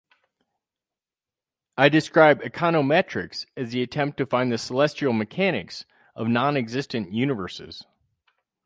I describe econometrics as the attempt to find the celestial mechanics of non-existent universes.